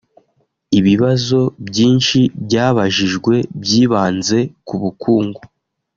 Ibibazo byinshi byabajijwe byibanze ku bukungu